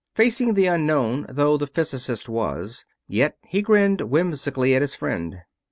Facing the unknown though the physicist was, yet he grinned whimsically at his friend.